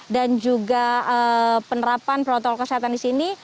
dan juga penerapan protokol kesehatan di sini